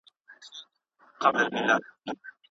اوس داسلامي نظام دتشريعي قوانينو ماخذ قران او سنت دي